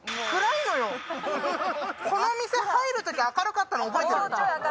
この店入るとき、明るかったの覚えてる？